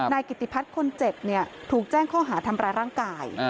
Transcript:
กิติพัฒน์คนเจ็บถูกแจ้งข้อหาทำร้ายร่างกาย